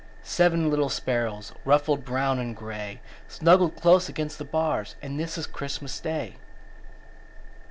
Seven little sparrows Ruffled brown and grey Snuggled close against the bars And this is Christmas day!